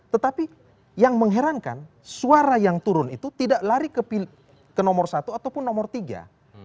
tetapi yang mengherankan suara yang turun itu tidak lari ke nomor satu ataupun nomor tiga